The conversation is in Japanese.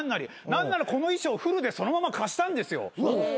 何ならこの衣装フルでそのまま貸したんですよ。